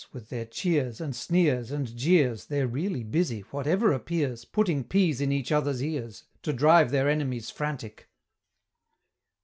with their cheers, and sneers, and jeers, They're really busy, whatever appears, Putting peas in each other's ears, To drive their enemies frantic!